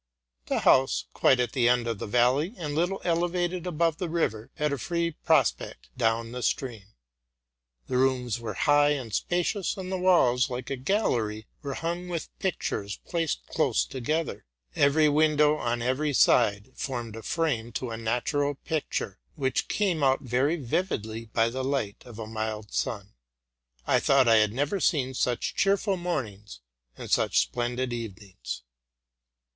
The house, quite at the end of the valley, and little elevated above the river, had a free prospect down the stream. The rooms were high and spacious ; and the walls, like a gallery, were hung with pictures, placed close together. Every win dow on every side formed a frame to a natural picture, which came out very vividly by the light of a mild sun. I thought IT had never seen such cheerful mornings and such splendid evenings.